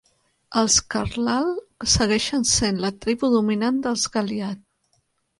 Els karlal segueixen sent la tribu dominant dels galyat.